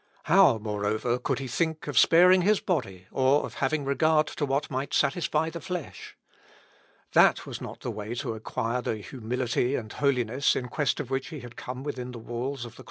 How, moreover, could he think of sparing his body, or of having regard to what might satisfy the flesh? That was not the way to acquire the humility and holiness in quest of which he had come within the walls of the cloister.